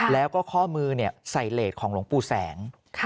แล้วก็ข้อมือใส่เลสของหลวงปู่แสง